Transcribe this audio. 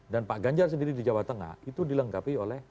dan pak ganjar sendiri di jawa tengah itu dilengkapi oleh